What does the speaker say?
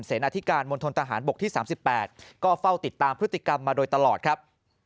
นาธิการมณฑนทหารบกที่๓๘ก็เฝ้าติดตามพฤติกรรมมาโดยตลอดครับ